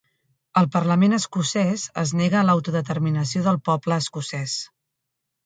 El Parlament Escocès es nega a l'autodeterminació del poble escocès